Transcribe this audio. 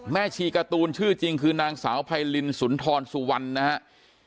ชีการ์ตูนชื่อจริงคือนางสาวไพรินสุนทรสุวรรณนะครับ